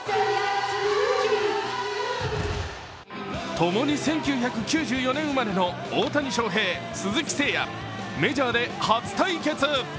共に１９９４年生まれの大谷翔平、鈴木誠也、メジャーで初対決。